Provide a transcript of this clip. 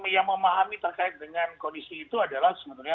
yang memahami terkait dengan kondisi itu adalah sebenarnya